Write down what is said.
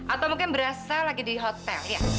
atau mungkin berasa lagi di hotel